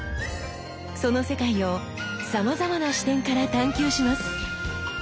その世界をさまざまな視点から探究します。